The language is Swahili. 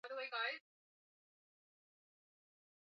usajili wa taasisi ya kisheria unahitaji mawakili wazuri